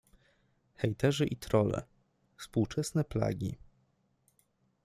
Hejterzy i trolle - współczesne plagi.